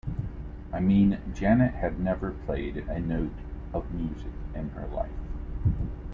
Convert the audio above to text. I mean Janet had never played a note of music in her life.